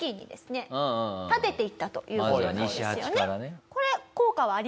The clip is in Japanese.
立てていったという事なんですよね。